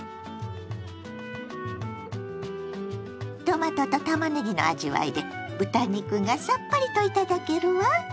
トマトとたまねぎの味わいで豚肉がさっぱりと頂けるわ。